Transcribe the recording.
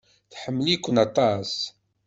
Tḥemmel-iken aṭas.